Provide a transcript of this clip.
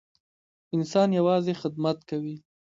انسان یوازې خدمت کوي.